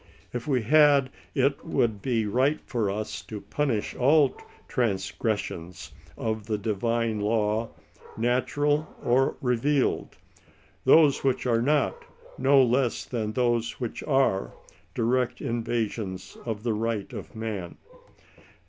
If we had, it would be right for us to punish all transgressions of the Di vine law, natural or revealed, those which are not, no less than those which are, direct invasions of the rights of man.